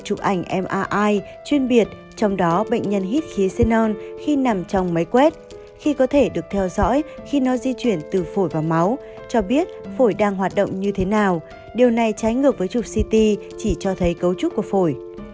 kỹ thuật trụ ảnh mri chuyên biệt trong đó bệnh nhân hít khí xenon khi nằm trong máy quét khi có thể được theo dõi khi nó di chuyển từ phổi vào máu cho biết phổi đang hoạt động như thế nào điều này trái ngược với trục ct chỉ cho thấy cấu trúc của phổi